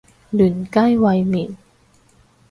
嫩雞煨麵